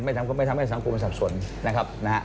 ไม่ทำให้คุณสับสนนะครับ